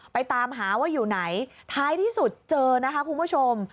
ตามหาว่าอยู่ไหนท้ายที่สุดเจอนะคะคุณผู้ชม